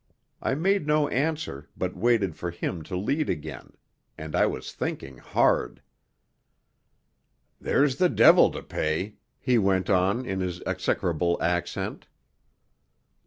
I made no answer, but waited for him to lead again and I was thinking hard. "There's the devil to pay!" he went on in his execrable accent.